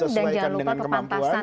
dan jangan lupa kepantasan